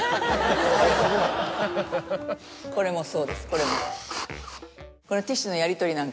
これもそうですこれも。